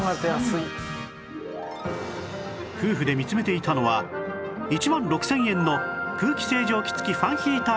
夫婦で見つめていたのは１万６０００円の空気清浄機付きファンヒーター扇風機